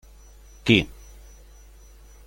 Qui?